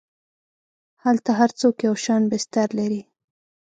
هلته هر څوک یو شان بستر لري.